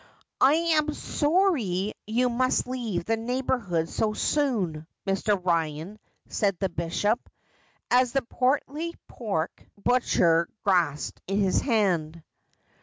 ' I am sorry you must leave the neighbourhood so soon, Mr. Eyan,' said the bishop, as the portly pork butcher grasped his hand.